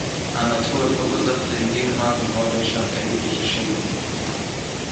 Anatol verursachte in Dänemark und Norddeutschland erhebliche Schäden.